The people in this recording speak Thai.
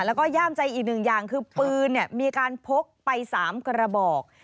แล้วก็ย่ามใจอีกหนึ่งอย่างคือปืนมีการพกไป๓กระบอก